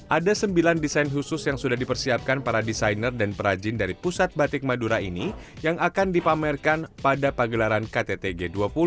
ada sembilan desain khusus yang sudah dipersiapkan para desainer dan perajin dari pusat batik madura ini yang akan dipamerkan pada pagelaran ktt g dua puluh